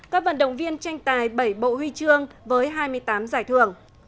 các vận động viên tranh tài bảy bộ huy chương với hai mươi tám giải thưởng